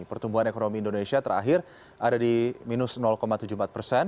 pertumbuhan ekonomi indonesia terakhir ada di minus tujuh puluh empat persen